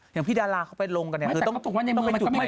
อย่างพี่ดาราเขาไปลงกันเนี่ยคือต้องเป็นจุดใหม่